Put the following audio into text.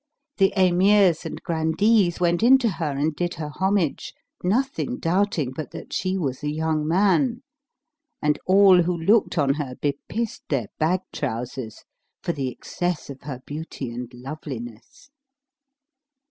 The Emirs and Grandees went in to her and did her homage, nothing doubting but that she was a young man, and all who looked on her bepissed their bag trousers, for the excess of her beauty and loveliness.